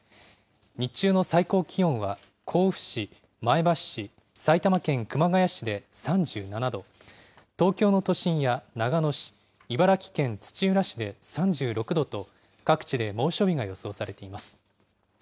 日中の最高気温は甲府市、前橋市、埼玉県熊谷市で３７度、東京の都心や長野市、茨城県土浦市で３６度と、各地で猛暑日が予想されています。